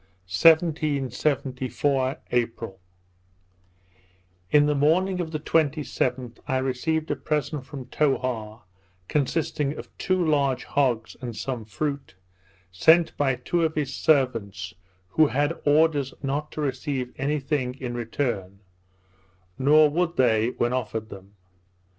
_ 1774 April In the morning of the 27th, I received a present from Towha, consisting of two large hogs and some fruit, sent by two of his servants, who had orders not to receive any thing in return; nor would they when offered them.